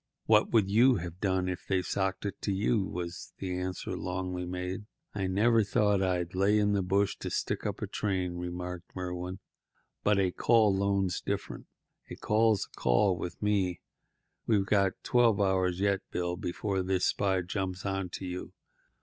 "What would you have done if they'd socked it to you?" was the answer Longley made. "I never thought I'd lay in a bush to stick up a train," remarked Merwin; "but a call loan's different. A call's a call with me. We've got twelve hours yet, Bill, before this spy jumps onto you.